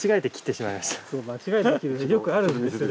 よくあるんですよね。